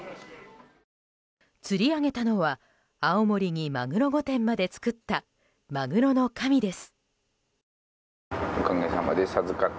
釣り上げたのは青森にマグロ御殿まで作ったマグロの神です。